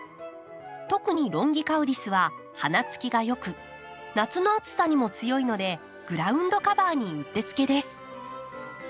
特に「ロンギカウリス」は花つきが良く夏の暑さにも強いのでグラウンドカバーにうってつけです。